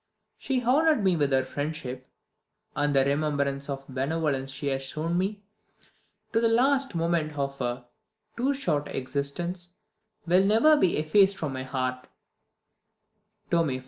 She honoured me with her friendship, and the remembrance of the benevolence she has shown me, to the last moment of her too short existence, will never be effaced from my heart" (tome i.